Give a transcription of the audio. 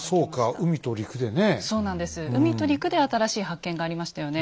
海と陸で新しい発見がありましたよね。